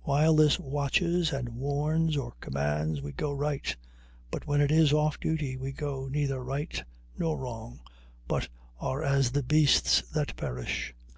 While this watches, and warns or commands, we go right; but when it is off duty we go neither right nor wrong, but are as the beasts that perish.